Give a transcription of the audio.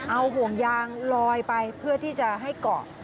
เอาห่วงยางลอยไปเพื่อที่จะให้เกาะ